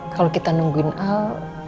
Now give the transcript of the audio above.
kalau kita nungguin al